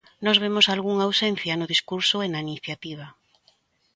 Nós vemos algunha ausencia no discurso e na iniciativa.